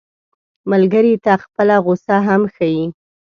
ملګری ته خپله غوسه هم ښيي